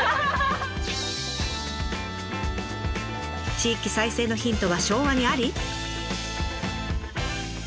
地域再生のヒントは昭和にあり？